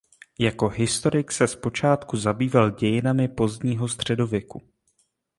Jako historik se zpočátku zabýval dějinami pozdního středověku.